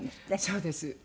そうです。